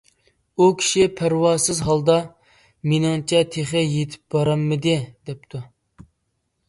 ئۇ كىشى پەرۋاسىز ھالدا: «مېنىڭچە تېخى يېتىپ بارالمىدى» دەپتۇ.